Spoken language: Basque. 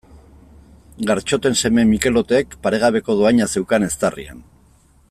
Gartxoten seme Mikelotek paregabeko dohaina zeukan eztarrian.